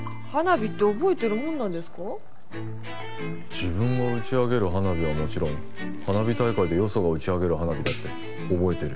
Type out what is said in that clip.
自分の打ち上げる花火はもちろん花火大会でよそが打ち上げる花火だって覚えてる。